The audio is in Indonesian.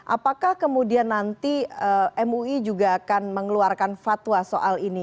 apakah kemudian nanti mui juga akan mengeluarkan fatwa soal ini